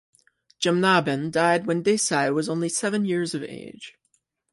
Jamnabehn died when Desai was only seven years of age.